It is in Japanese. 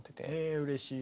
えうれしい。